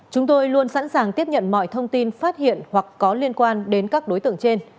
chúng tôi luôn sẵn sàng tiếp nhận mọi thông tin phát hiện hoặc có liên quan đến các đối tượng trên